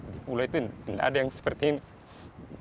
di pulau itu tidak ada yang seperti ini